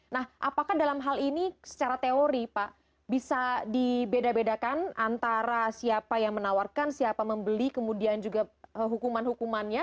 nah apakah dalam hal ini secara teori pak bisa dibeda bedakan antara siapa yang menawarkan siapa membeli kemudian juga hukuman hukumannya